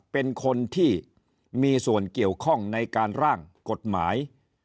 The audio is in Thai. เป็นคนที่มีส่วนเกี่ยวข้องในการร่างกฎหมาย